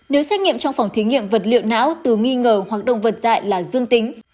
nếu xét nghiệm trong phòng thí nghiệm vật liệu não từ nghi ngờ hoặc động vật dạy là dương tính